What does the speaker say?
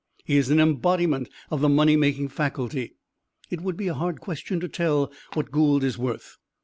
He is an embodiment of the money making faculty. It would be a hard question to tell what Gould is worth.